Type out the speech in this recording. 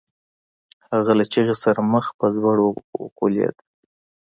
هغه له چيغې سره مخ په ځوړ وکوليد.